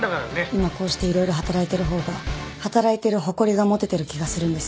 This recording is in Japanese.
今こうしていろいろ働いているほうが働いてる誇りが持ててる気がするんです。